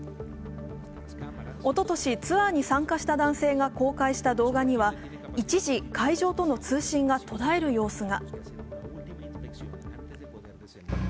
おととし、ツアーに参加した男性が公開した動画には一時、海上との通信が途絶える様子が。